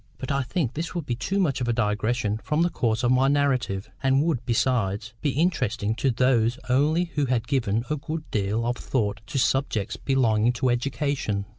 But I think this would be too much of a digression from the course of my narrative, and would, besides, be interesting to those only who had given a good deal of thought to subjects belonging to education.